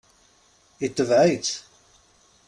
Itbeɛ-tt.